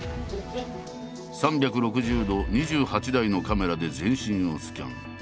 ３６０度２８台のカメラで全身をスキャン。